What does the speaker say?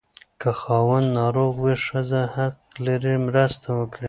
که خاوند ناروغ وي، ښځه حق لري مرسته وکړي.